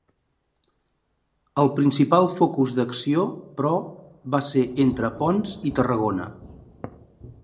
El principal focus d'acció, però, va ser entre Ponts i Tarragona.